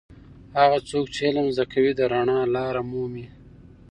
هغه څوک چې علم زده کوي د رڼا لاره مومي.